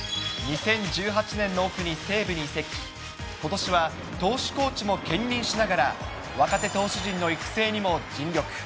２０１８年のオフに西武に移籍、ことしは投手コーチも兼任しながら、若手投手陣の育成にも尽力。